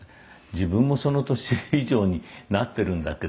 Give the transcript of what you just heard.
「自分もその年以上になっているんだけど」